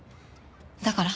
だから。